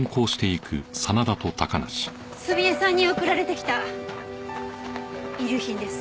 澄江さんに送られてきた遺留品です。